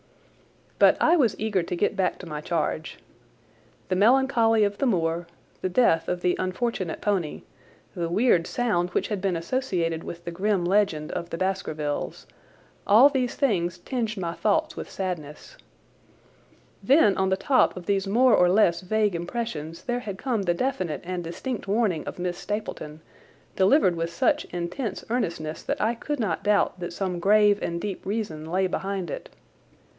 But I was eager to get back to my charge. The melancholy of the moor, the death of the unfortunate pony, the weird sound which had been associated with the grim legend of the Baskervilles, all these things tinged my thoughts with sadness. Then on the top of these more or less vague impressions there had come the definite and distinct warning of Miss Stapleton, delivered with such intense earnestness that I could not doubt that some grave and deep reason lay behind it.